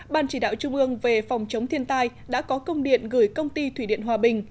ban chỉ đạo trung ương về phòng chống thiên tai đã có công điện gửi công ty thủy điện hòa bình